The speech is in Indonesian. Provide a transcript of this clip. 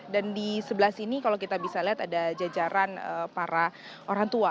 dan di sebelah sini kalau kita bisa lihat ada jajaran para orang tua